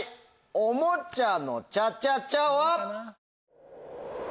『おもちゃのチャチャチャ』は。